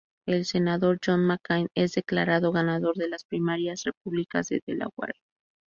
El senador John McCain es declarado ganador de las primarias republicanas de Delaware.